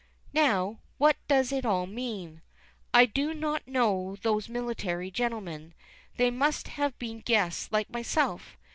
Now, what does it all mean? I do not know those military gentlemen. They must have been guests like myself.